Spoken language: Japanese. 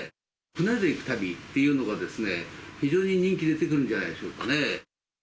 船で行く旅というのが、非常に人気出てくるんじゃないでしょうかね。